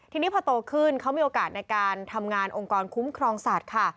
ทีนี้พอโตขึ้นเขามีโอกาสในการทำงานองค์กรคุ้มครองสัตว์ค่ะ